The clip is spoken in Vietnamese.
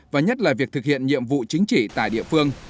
và nhất là việc thực hiện nhiệm vụ chính trị tại địa phương